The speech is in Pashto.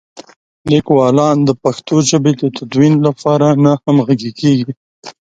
لیکوالان د پښتو ژبې د تدوین لپاره نه همغږي کېږي.